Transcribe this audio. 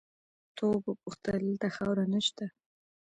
تواب وپوښتل دلته خاوره نه شته؟